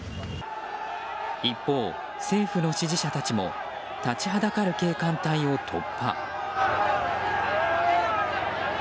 一方、政府の支持者たちも立ちはだかる警官隊を突破。